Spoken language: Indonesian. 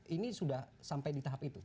ini sudah sampai di tahap itu